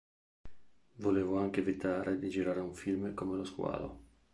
Volevo anche evitare di girare un film come "Lo squalo".